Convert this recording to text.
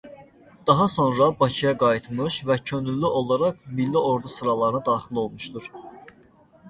Daha sonra Bakıya qayıtmış və könüllü olaraq Milli Ordu sıralarına daxil olmuşdur.